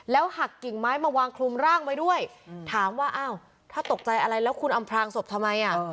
หักกิ่งไม้มาวางคลุมร่างไว้ด้วยถามว่าอ้าวถ้าตกใจอะไรแล้วคุณอำพลางศพทำไมอ่ะ